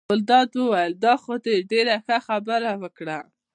ګلداد وویل: دا خو دې ډېره ښه خبره وکړه.